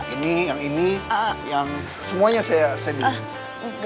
ini yang ini yang semuanya saya bilang